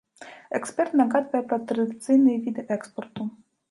Эксперт нагадвае пра традыцыйныя віды экспарту.